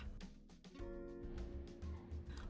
jangan lupa untuk memperhatikan dan menjaga listrik di rumah